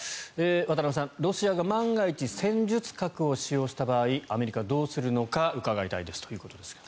渡部さん、ロシアが万が一戦術核を使用した場合アメリカはどうするのか伺いたいですということですが。